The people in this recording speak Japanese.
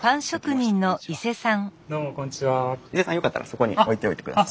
伊勢さんよかったらそこに置いておいてください。